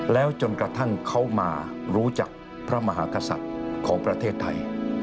แล้วจนกระทั่งเขามารู้จักพระมหากษัตริย์ของประเทศไทย